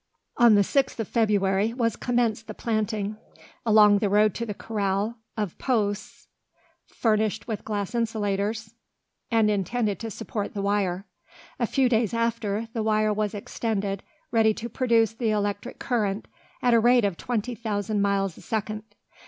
On the 6th of February was commenced the planting, along the road to the corral, of posts, furnished with glass insulators, and intended to support the wire. A few days after, the wire was extended, ready to produce the electric current at a rate of twenty thousand miles a second.